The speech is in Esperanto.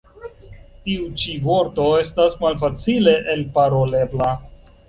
Tiu ĉi vorto estas malfacile elparolebla.